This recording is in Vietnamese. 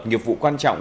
nhiệm vụ quan trọng